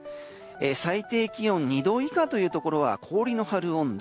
最低気温２度以下というところは氷の張る温度。